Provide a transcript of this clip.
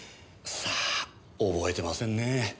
さあ覚えてませんね。